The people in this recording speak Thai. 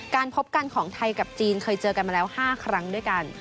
พบกันของไทยกับจีนเคยเจอกันมาแล้ว๕ครั้งด้วยกัน